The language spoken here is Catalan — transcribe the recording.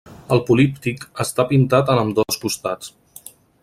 El políptic està pintat en ambdós costats.